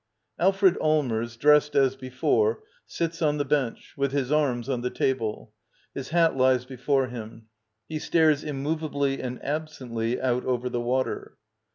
Alfred Allmers, dressed as before, sits on the bench, with his arms on the table. His hat lies before him. He stares immovably and absently out over the water.